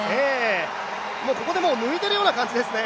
ここでもう抜いているような感じですね。